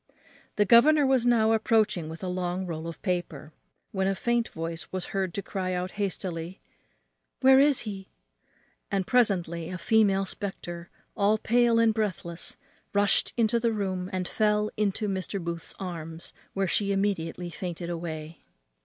The governor was now approaching with a long roll of paper, when a faint voice was heard to cry out hastily, "Where is he?" and presently a female spectre, all pale and breathless, rushed into the room, and fell into Mr. Booth's arms, where she immediately fainted away.